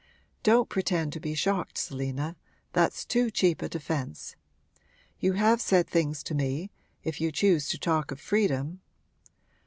'Don't pretend to be shocked, Selina; that's too cheap a defence. You have said things to me if you choose to talk of freedom!